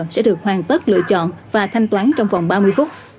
sẽ được hoàn tất lựa chọn và thanh toán trong vòng ba mươi phút